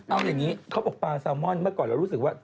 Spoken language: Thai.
เอาอย่างนี้เขาบอกปลาแซลมอนเมื่อก่อนเรารู้สึกว่า